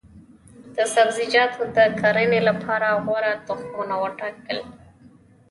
د سبزیجاتو د کرنې لپاره غوره تخمونه وټاکل شي.